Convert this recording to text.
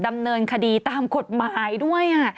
ดำเนินคดีตามกฎหมายด้วย